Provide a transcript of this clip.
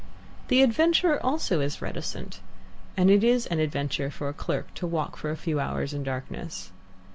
The adventurer, also, is reticent, and it is an adventure for a clerk to walk for a few hours in darkness.